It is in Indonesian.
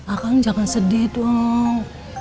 akang jangan sedih dong